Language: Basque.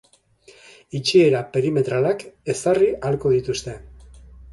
Itxiera perimetralak ezarri ahalko dituzte.